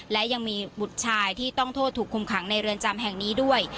และยังมีบุตรชายที่ต้องโทษถูกคุมขังในเรือนจำแห่งนี้ด้วย